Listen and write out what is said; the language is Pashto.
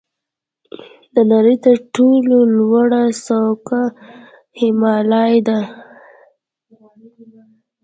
د نړۍ تر ټولو لوړه څوکه هیمالیا ده.